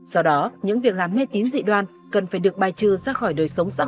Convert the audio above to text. do đó những việc làm mê tín dị đoan cần phải được bài trừ ra khỏi đời sống xã hội